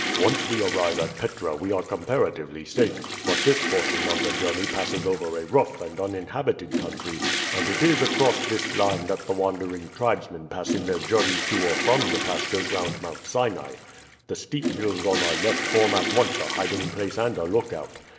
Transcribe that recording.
"Once we arrive at Petra we are comparatively safe; but this portion of the journey passes over a rough and uninhabited country, and it is across this line that the wandering tribesmen pass in their journeys to or from the pastures round Mount Sinai. The steep hills on our left form at once a hiding place and a lookout.